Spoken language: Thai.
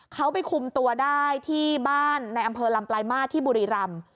เขาไปคุมตัวได้ที่บ้านในอำเภอลำปลายมาสที่บุรีรำ